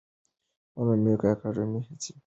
د علومو اکاډمۍ هڅې د ستاینې وړ دي.